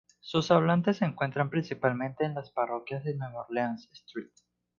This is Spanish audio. Sus hablantes se encuentran principalmente en las parroquias de Nueva Orleans, St.